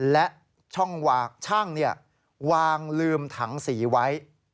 และช่องวางลืมถังสีไว้